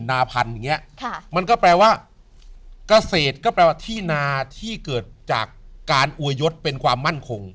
นาพันธุ์อย่างนี้มันก็แปลว่าเกษตรก็แปลว่าที่นาที่เกิดจากการอวยยศเป็นความมั่นคง